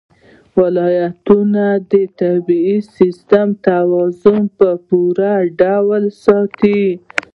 ولایتونه د طبعي سیسټم توازن په پوره ډول ساتي.